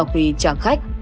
vì chẳng khách